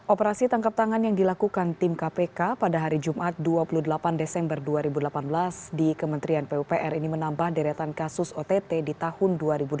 operasi tangkap tangan yang dilakukan tim kpk pada hari jumat dua puluh delapan desember dua ribu delapan belas di kementerian pupr ini menambah deretan kasus ott di tahun dua ribu delapan belas